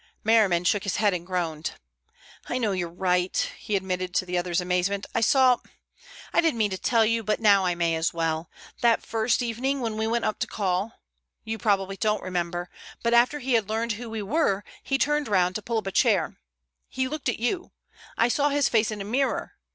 Merriman shook his head and groaned. "I know you're right," he admitted to the other's amazement. "I saw—I didn't mean to tell you, but now I may as well. That first evening, when we went up to call, you probably don't remember, but after he had learned who we were he turned round to pull up a chair. He looked at you; I saw his face in a mirror.